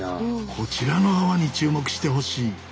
こちらの泡に注目してほしい。